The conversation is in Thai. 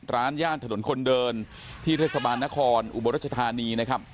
ร้านย่านถนนคนเดินที่ทฤษภัณฑ์นครอุบัติรัชธานีนะครับ